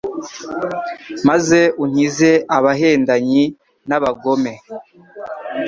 maze unkize abahendanyi n’abagome